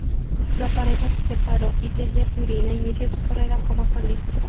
La pareja se separó y Delia Turina inició su carrera como solista.